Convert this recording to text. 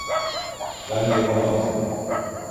Ben yapamazdım.